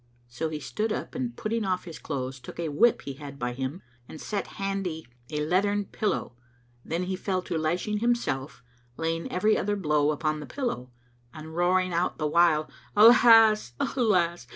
So he stood up and putting off his clothes, took a whip he had by him and set handy a leathern pillow; then he fell to lashing himself, laying every other blow upon the pillow and roaring out the while, "Alas! Alas!